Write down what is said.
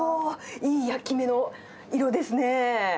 いい焼き目の色ですね。